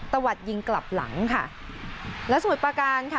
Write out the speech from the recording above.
ตะวัดยิงกลับหลังค่ะแล้วสมุทรประการค่ะ